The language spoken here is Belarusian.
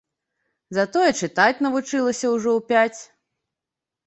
Затое чытаць навучылася ўжо ў пяць.